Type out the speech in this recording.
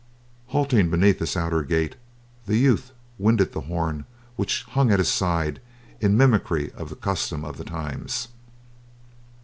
Halting beneath this outer gate, the youth winded the horn which hung at his side in mimicry of the custom of the times.